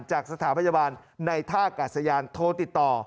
จากสถาพยาบาลในท่ากาศยานโทรติดต่อ